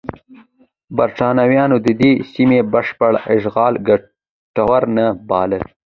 برېټانویانو د دې سیمې بشپړ اشغال ګټور نه باله.